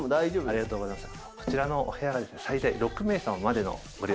ありがとうございます。